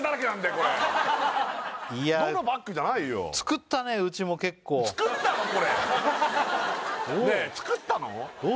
これいや「どのバッグ」じゃないよ作ったねうちも結構作ったのこれ！？